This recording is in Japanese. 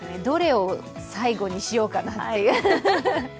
どれを最後にしようかなという。